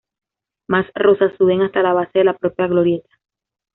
Más rosas suben hasta la base de la propia glorieta.